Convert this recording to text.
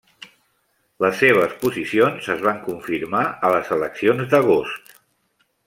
Les seves posicions es van confirmar a les eleccions d'agost.